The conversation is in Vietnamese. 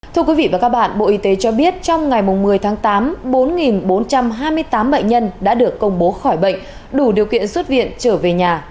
thưa quý vị và các bạn bộ y tế cho biết trong ngày một mươi tháng tám bốn trăm hai mươi tám bệnh nhân đã được công bố khỏi bệnh đủ điều kiện xuất viện trở về nhà